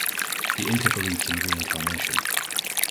The Inca believed in reincarnation.